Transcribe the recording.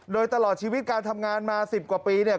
โดยตลอดชีวิตการทำงานมา๑๐กว่าปีเนี่ย